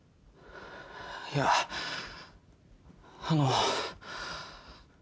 いやあの。